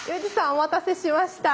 お待たせしました。